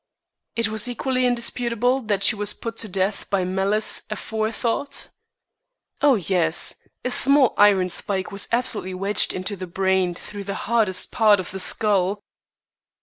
"It was equally indisputable that she was put to death by malice aforethought?" "Oh, yes. A small iron spike was absolutely wedged into the brain through the hardest part of the skull."